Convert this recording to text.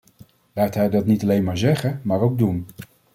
Laat hij dat niet alleen maar zeggen, maar ook doen.